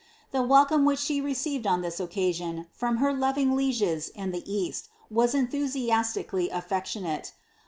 The welcome which she received OB this oceasion, from her loving lieges in the east, was enthusiastically iflectiooate.